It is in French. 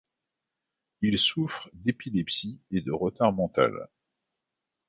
Il souffre d'épilepsie et de retard mental.